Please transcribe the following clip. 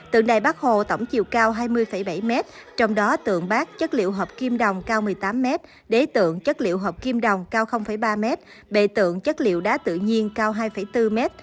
tượng đài bắc hồ tổng chiều cao hai mươi bảy m trong đó tượng bác chất liệu hộp kim đồng cao một mươi tám m đế tượng chất liệu hộp kim đồng cao ba m bệ tượng chất liệu đá tự nhiên cao hai bốn m